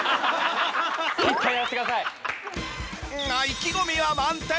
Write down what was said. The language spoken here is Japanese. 意気込みは満点！